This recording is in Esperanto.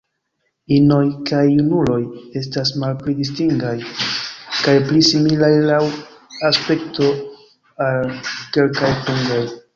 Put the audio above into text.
Inoj kaj junuloj estas malpli distingaj, kaj pli similaj laŭ aspekto al kelkaj fringoj.